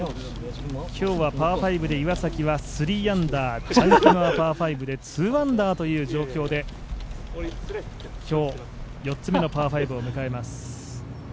今日はパー５で岩崎は３アンダー、チャン・キムはパー５で２アンダーという状況で今日、４つ目のパー５を迎えます。